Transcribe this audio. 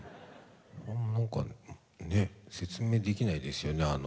何かね説明できないですよね。